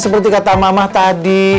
seperti kata mama tadi